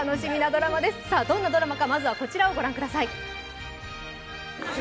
どんなドラマかまずはこちらを御覧ください。